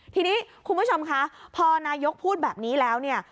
ทีนี้คุณผู้ชมคะพอนายกพูดแบบนี้แล้วเนี่ย